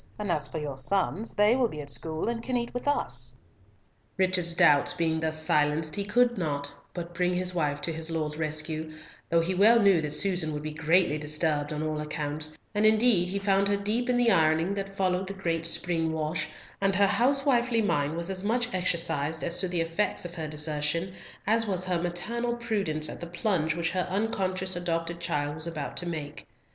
And for your sons, they will be at school, and can eat with us." Richard's doubts being thus silenced he could not but bring his wife to his lord's rescue, though he well knew that Susan would be greatly disturbed on all accounts, and indeed he found her deep in the ironing that followed the great spring wash, and her housewifely mind was as much exercised as to the effects of her desertion, as was her maternal prudence at the plunge which her unconscious adopted child was about to make.